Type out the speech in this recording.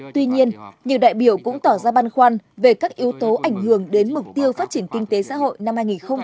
tuy nhiên nhiều đại biểu cũng tỏ ra băn khoăn về các yếu tố ảnh hưởng đến mục tiêu phát triển kinh tế xã hội năm hai nghìn hai mươi